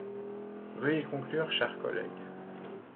Veuillez conclure, cher collègue.